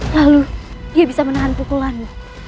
lalu dia bisa menahan pukulan